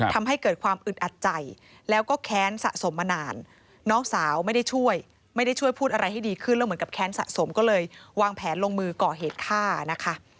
ทำให้เกิดความอึดอัดใจแล้วก็แค้นสะสมมานานน้องสาวไม่ได้ช่วยไม่ได้ช่วยพูดอะไรให้ดีขึ้นแล้วเหมือนกับแค้นสะสมก็เลยวางแผนลงมือก่อเหตุฆ่านะคะ